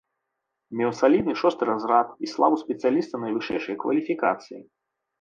Меў салідны шосты разрад і славу спецыяліста найвышэйшай кваліфікацыі.